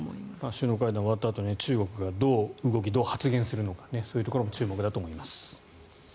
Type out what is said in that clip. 首脳会談が終わったあと中国がどう動きどう発言するのかそういうところも注目だと思います。